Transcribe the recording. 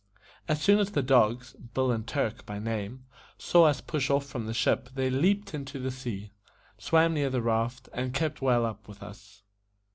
As soon as the dogs (Bill and Turk by name) saw us push off from the ship they leaped in the sea, swam near the raft, and kept well up with us.